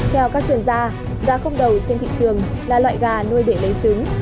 theo các chuyên gia gà không đầu trên thị trường là loại gà nuôi để lấy trứng